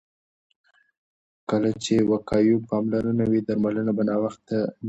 کله چې وقایوي پاملرنه وي، درملنه به ناوخته نه شي.